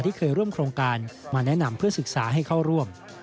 ที่เคยร่วมโครงการมาแนะนำเพื่อศึกษาให้เข้าร่วม